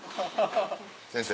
先生。